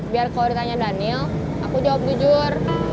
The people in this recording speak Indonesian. biar kalau ditanya daniel aku jawab jujur